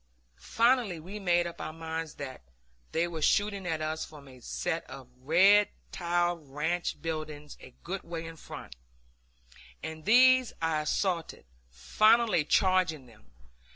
Finally we made up our minds that they were shooting at us from a set of red tiled ranch buildings a good way in front, and these I assaulted, finally charging them.